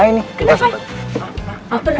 kayaknya salah jalan